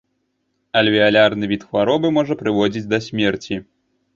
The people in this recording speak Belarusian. Альвеалярны від хваробы можа прыводзіць да смерці.